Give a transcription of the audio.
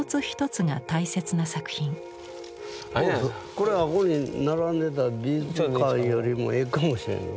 これあこに並んでた美術館よりもええかもしれんね